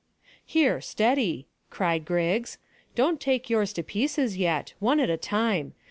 "Here, steady!" cried Griggs. "Don't take yours to pieces yet. One at a time.